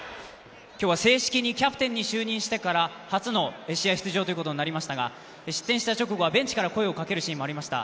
今日は正式にキャプテンに就任してから初の試合出場となりましたが失点した直後はベンチから声をかけるシーンもありました。